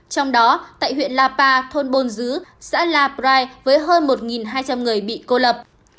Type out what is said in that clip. trong đó tại huyện lapa thôn bồn dứ xã la prai với hơn một hai trăm linh người bị cô lập